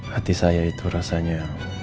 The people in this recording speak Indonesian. hati saya itu rasanya